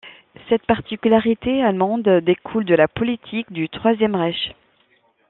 Cette particularité allemande découle de la politique du Troisième Reich.